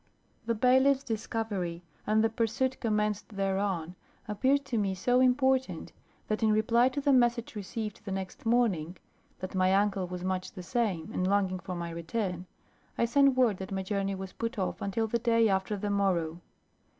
The bailiff's discovery, and the pursuit commenced thereon, appeared to me so important, that in reply to the message received the next morning that my uncle was much the same, and longing for my return I sent word that my journey was put off until the day after the morrow.